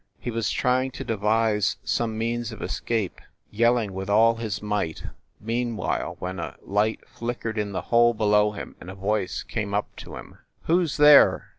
He was trying to devise some means of escape, yelling with all his might, meanwhile, when a light flickered in the hole below him, and a voice came up to him. 54 FIND THE WOMAN "Who s there?"